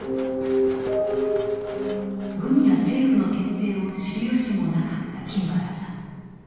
軍や政府の決定を知る由もなかった金原さん。